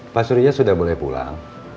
pak surya sudah mulai pulang